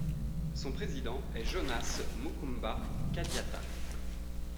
Son président est Jonas Mukamba Kadiata.